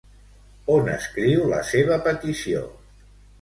On escriu la seva petició?